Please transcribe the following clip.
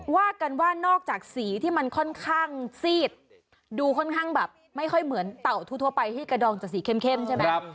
ว่ากันว่านอกจากสีที่มันค่อนข้างซีดดูค่อนข้างแบบไม่ค่อยเหมือนเต่าทั่วไปที่กระดองจะสีเข้มใช่ไหม